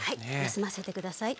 休ませて下さい。